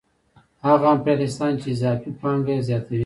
هغه امپریالیستان چې اضافي پانګه یې زیاته وي